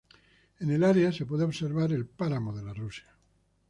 En el área se puede observar el Páramo de la Rusia.